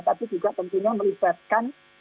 tapi juga tentunya melibatkan